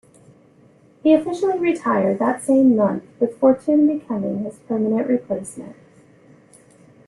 He officially retired that same month with Fortune becoming his permanent replacement.